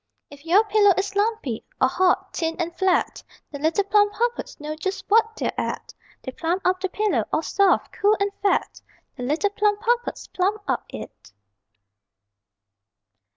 _If your pillow is lumpy, or hot, thin and flat, The little Plumpuppets know just what they're at; They plump up the pillow, all soft, cool and fat The little Plumpuppets plump up it!